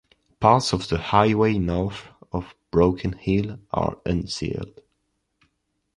Parts of the highway north of Broken Hill are unsealed.